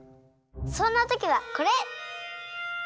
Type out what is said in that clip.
そんなときはこれ！